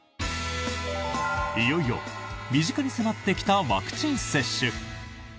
いよいよ身近に迫ってきたワクチン接種。